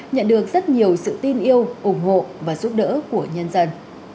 nhận được rất nhiều sự tin yêu ủng hộ và giúp đỡ của nhân dân